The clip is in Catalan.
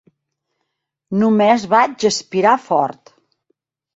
Només vaig aspirar fort.